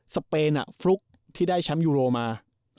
เปนฟลุกที่ได้แชมป์ยูโรมา